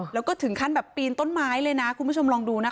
แล้วก็ถึงขั้นแบบปีนต้นไม้เลยนะคุณผู้ชมลองดูนะคะ